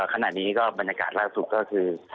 ขณะนี้ก็บรรยากาศล่าสุดก็คือ